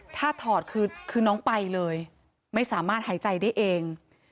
ถ้าถอดคือน้องไปเลยไม่สามารถหายใจได้เอง